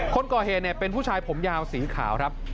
คนก่อเหตุเป็นผู้ชายผมยาวสีขาวครับ